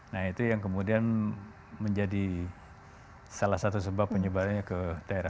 nah itu yang kemudian menjadi salah satu sebab penyebarannya ke daerah